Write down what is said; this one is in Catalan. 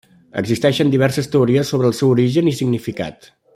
Existeixen diverses teories sobre el seu origen i significat.